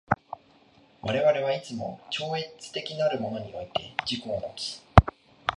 我々はいつも超越的なるものにおいて自己をもつ。